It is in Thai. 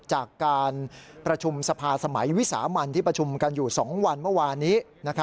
จากการประชุมสภาสมัยวิสามันที่ประชุมกันอยู่๒วันเมื่อวานนี้